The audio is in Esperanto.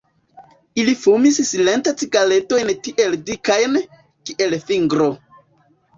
Ili fumis silente cigaredojn tiel dikajn, kiel fingro.